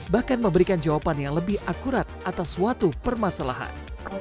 bahkan memberikan jawaban yang lebih akurat atas suatu permasalahan